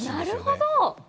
なるほど！